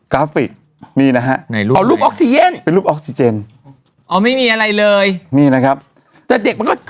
กราฟิกอ๋อรูปออกซิเจนอ๋อไม่มีอะไรเลยนี่นะครับแต่เด็กมันก็